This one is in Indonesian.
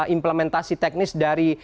implementasi teknis dari